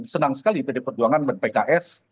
senang sekali pd perjuangan dan pks